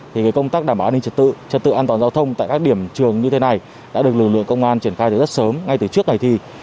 thì công tác đảm bảo an ninh trật tự trật tự an toàn giao thông tại các điểm trường như thế này đã được lực lượng công an triển khai từ rất sớm ngay từ trước ngày thi